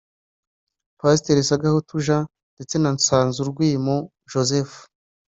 Pasiteri Sagahutu Jean ndetse na Nsanzurwimo Joseph